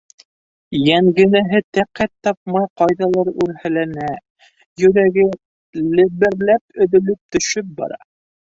Йәнгенәһе тәҡәт тапмай ҡайҙалыр үрһәләнә, йөрәге леберләп өҙөлөп төшөп бара.